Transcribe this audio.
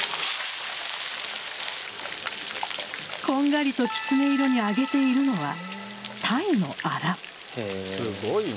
こんがりときつね色に揚げているのはタイのあら。